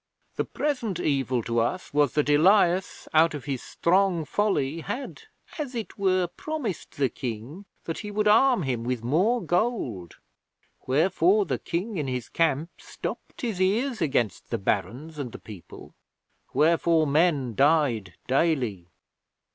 'The present evil to us was that Elias, out of his strong folly, had, as it were, promised the King that he would arm him with more gold. Wherefore the King in his camp stopped his ears against the Barons and the people. Wherefore men died daily.